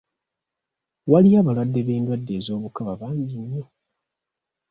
Waliyo abalwadde b'endwadde z'obukaba bangi nnyo.